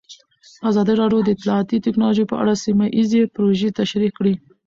ازادي راډیو د اطلاعاتی تکنالوژي په اړه سیمه ییزې پروژې تشریح کړې.